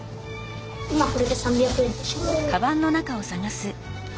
今これで３００円でしょ。